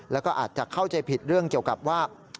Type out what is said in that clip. แล้วก็อาจจะเข้าใจผิดเรื่องเกี่ยวกับว่า